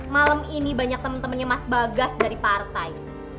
malam ini banyak temen temennya mas bagas dari partai